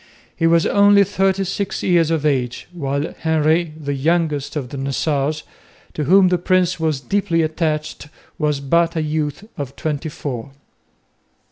He was only thirty six years of age, while Henry, the youngest of the Nassaus, to whom the Prince was deeply attached, was but a youth of twenty four.